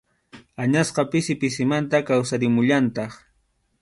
Añasqa pisi pisimanta kawsarimullantaq.